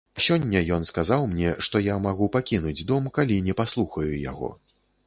Сёння ён сказаў мне, што я магу пакінуць дом, калі не паслухаю яго.